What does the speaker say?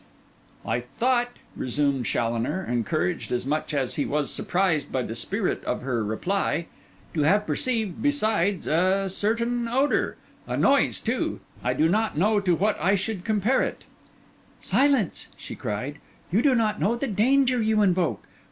'I thought,' resumed Challoner, encouraged as much as he was surprised by the spirit of her reply, 'to have perceived, besides, a certain odour. A noise, too—I do not know to what I should compare it—' 'Silence!' she cried. 'You do not know the danger you invoke.